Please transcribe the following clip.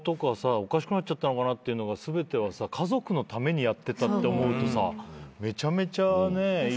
おかしくなったのかなってのが全てはさ家族のためにやってたと思うとさめちゃめちゃいい人で。